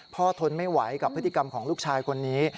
ทนไม่ไหวกับพฤติกรรมของลูกชายคนนี้